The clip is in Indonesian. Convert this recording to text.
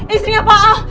istrinya pak al